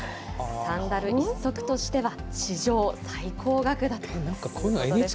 サンダル１足としては史上最高額だということです。